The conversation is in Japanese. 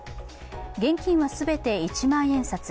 現金は全て一万円札。